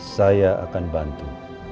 saya akan bantu